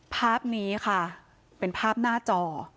ภาพนี้ค่ะเป็นภาพหน้าจอ